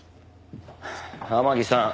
天樹さん